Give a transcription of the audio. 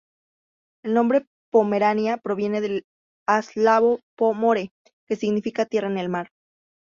El nombre "Pomerania" proviene del eslavo "po more", que significa 'tierra en el mar'.